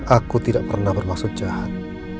aku tidak pernah bermaksud jahat